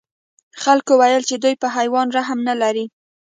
خلکو وویل چې دوی په حیوان رحم نه لري.